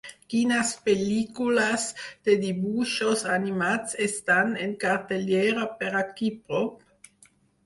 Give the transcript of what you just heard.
Quines pel·lícules de dibuixos animats estan en cartellera per aquí prop?